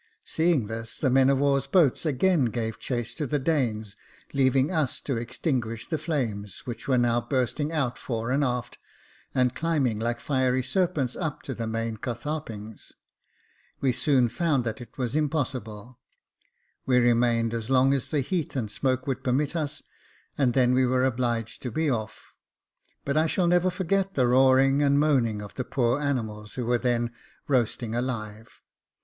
Seeing this, the men of war's boats again gave chase to the Danes, leaving us to extinguish the flames, which were now bursting out fore and aft, and climbing like fiery serpents up to the main catharpings. We soon found that it was impossible ; we remained as long as the heat and smoke would permit us, and then we were obliged to be off; but I shall never forget the roaring and moaning of the poor animals who were then roasting alive.